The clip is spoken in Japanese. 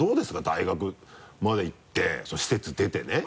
大学まで行ってその施設出てね